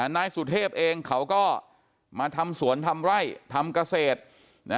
นายสุเทพเองเขาก็มาทำสวนทำไร่ทำเกษตร